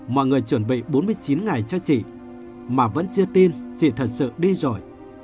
mọi người chuẩn bị bốn mươi chín ngày cho chị mà vẫn chưa tin chị thật sự đi rồi